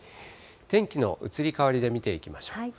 天気の移り変わりで見ていきましょう。